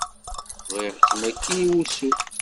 Bɣiɣ-kem akkin i wussu.